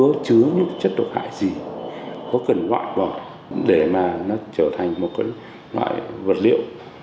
có chứa những chất độc hại gì có cần loại bỏ để mà nó trở thành một loại vật liệu